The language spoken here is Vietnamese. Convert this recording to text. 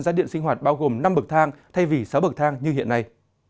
giá điện sinh hoạt bao gồm năm bậc thang thay vì sáu bậc thang như hiện nay